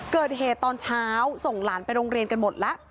เกิดเหตุตอนเช้าส่งหลานไปโรงเรียนกันหมดแล้ว